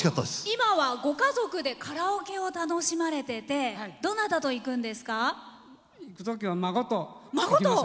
今はご家族でカラオケを楽しまれてて孫と行きます。